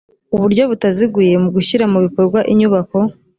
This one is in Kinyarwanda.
uburyo butaziguye mu gushyira mu bikorwa inyubako